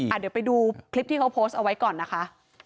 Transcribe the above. เดี๋ยวไปดูคลิปที่เขาโพสต์เอาไว้ก่อนนะคะ